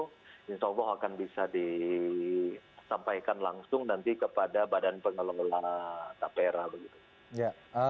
insya allah akan bisa disampaikan langsung nanti kepada badan pengelola tapera begitu